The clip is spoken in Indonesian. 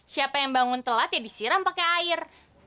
siapa yang bangun telat ya disiram pakai air